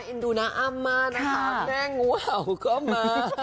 ว่าเอ็นดูนาอ้ำมานะคะแม่งูเห่าก็มา